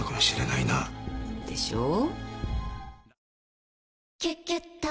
でしょう？